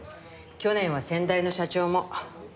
去年は先代の社長も。